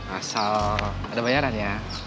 asal ada bayaran ya